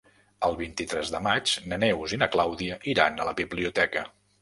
El vint-i-tres de maig na Neus i na Clàudia iran a la biblioteca.